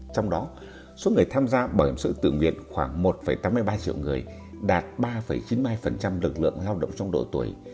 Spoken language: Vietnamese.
trong đó số người tham gia bảo hiểm xã hội tự nguyện khoảng một tám mươi ba triệu người đạt ba chín mươi hai lực lượng lao động trong độ tuổi